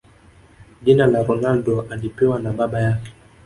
Jina la Ronaldo alipewa na baba yake